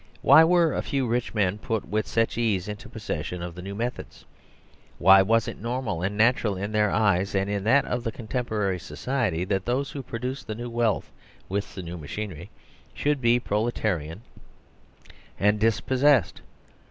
Why were a few rich men put with such ease into possession of the new methods? Why was it normal and natural in their eyes and in that of con temporary society that those who produced the new wealth with the new machinery should be proletarian and dispossessed